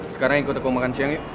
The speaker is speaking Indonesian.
sekarang ikut aku makan siang yuk